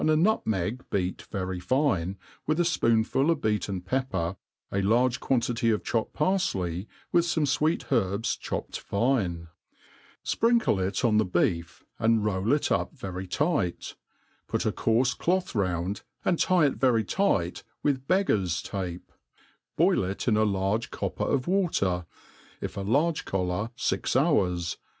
a nutmeg beat very fine, with a fpoonful of beaten pepper, % large quantity pf chopped parfley, with fome fweet herbs chopped fine ; fprinkle it on the beef, and roll it up very tight, put a coarfe cloth round, and tie it very tight with beggars* tape ; boi( it in a large copper of water, if a large collar, fix hours